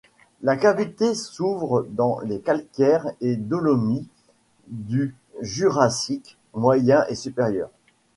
La cavité s'ouvre dans les calcaires et dolomies du Jurassique moyen et supérieur.